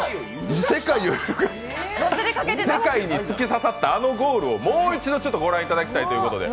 世界に突き刺さったあのゴールをもう一度御覧いただきたい。